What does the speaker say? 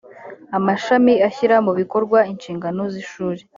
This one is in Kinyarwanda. amashami ashyira mu bikorwa inshingano z ishuri